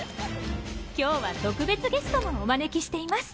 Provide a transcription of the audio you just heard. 今日は特別ゲストもお招きしています。